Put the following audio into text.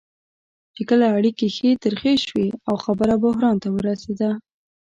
چې کله اړیکې ښې ترخې شوې او خبره بحران ته ورسېده.